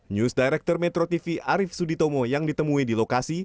news director metro tv arief suditomo yang ditemui di lokasi